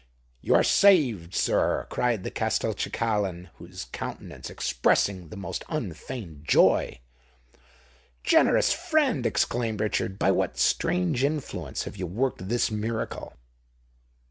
"You are saved, sir!" cried the Castelcicalan his countenance expressing the most unfeigned joy. "Generous friend!" exclaimed Richard: "by what strange influence have you worked this miracle?"